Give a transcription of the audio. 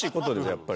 やっぱり。